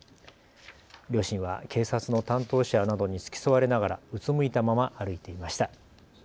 両親は警察の担当者などに付き添われながらうつむいたまま歩いていました。